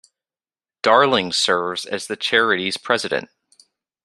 Darling serves as the charity's president.